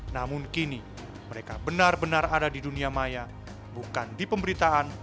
namun kini mereka benar benar ada di dunia maya bukan di pemberitaan